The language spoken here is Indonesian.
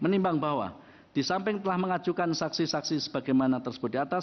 menimbang bahwa di samping telah mengajukan saksi saksi sebagaimana tersebut di atas